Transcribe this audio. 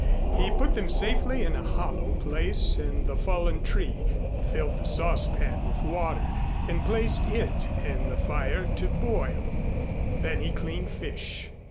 He put them safely in a hollow place in the fallen tree, filled the saucepan with water and placed it in the fire to boil. Then he cleaned fish.